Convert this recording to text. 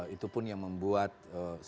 itu pun yang membuat situasi lebih